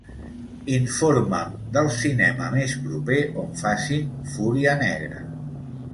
Informa'm del cinema més proper on facin "Fúria negra".